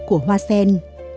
của hoa sen